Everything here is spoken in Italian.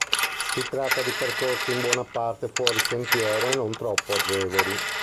Si tratta di percorsi in buona parte fuori sentiero e non troppo agevoli.